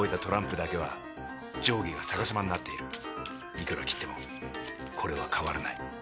いくらきってもこれは変わらない。